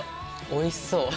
おいしそう。